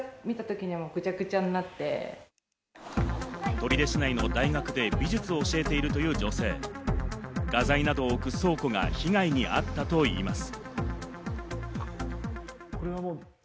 取手市内の大学で美術を教えているという女性、画材などを置く倉庫が被害にあったといいます。